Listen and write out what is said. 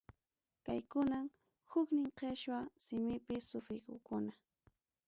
Kaykunam huknin quechua simipi sufijukuna.